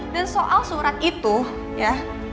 dan soal surat itu ya